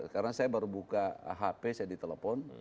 karena saya baru buka hp saya ditelepon